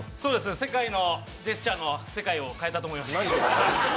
世界のジェスチャーの世界を変えたと思います。